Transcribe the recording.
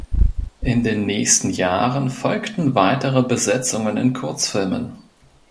In den nächsten Jahren folgten weitere Besetzungen in Kurzfilmen.